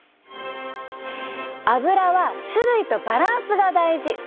アブラは種類とバランスが大事。